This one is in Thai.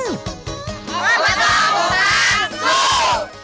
สู้